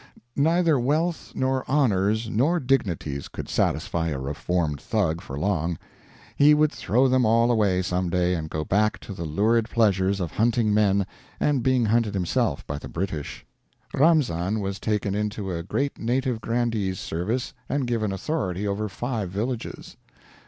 Neither wealth nor honors nor dignities could satisfy a reformed Thug for long. He would throw them all away, someday, and go back to the lurid pleasures of hunting men, and being hunted himself by the British. Ramzam was taken into a great native grandee's service and given authority over five villages.